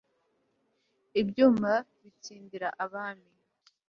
ibyuma bitsindira abami